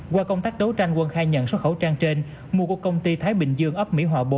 qua công tác đấu tranh quân khai nhận số khẩu trang trên mua của công ty thái bình dương ấp mỹ hòa bốn